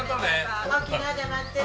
沖縄で待ってるね！